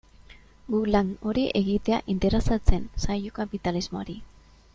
Guk lan hori egitea interesatzen zaio kapitalismoari.